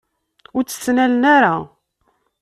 Ur tt-ttnalen ara.